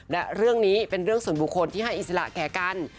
และเรื่องนี้เป็นเรื่องส่วนบุคคลที่ให้อิสระแก่กัน